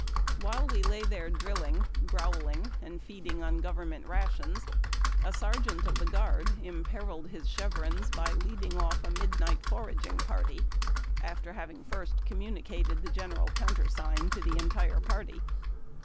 While we lay there drilling, growling, and feeding on government rations, a sergeant of the guard imperilled his chevrons by leading ofT a midnight foraging party, after having first com municated the general countersign to the entire party.